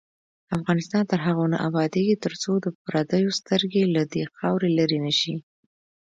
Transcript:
افغانستان تر هغو نه ابادیږي، ترڅو د پردیو سترګې له دې خاورې لرې نشي.